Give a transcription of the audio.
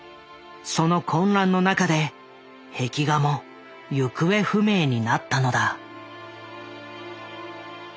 その混乱の中で壁画も行方不明になったのだ。